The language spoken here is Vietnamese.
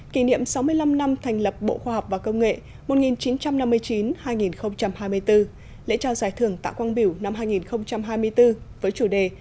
kỷ niệm sáu mươi năm năm thành lập bộ khoa học và công nghệ một nghìn chín trăm năm mươi chín hai nghìn hai mươi bốn lễ trao giải thưởng tạ quang biểu năm hai nghìn hai mươi bốn với chủ đề